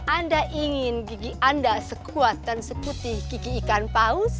anda ingin gigi anda sekuat dan sekuti gigi ikan paus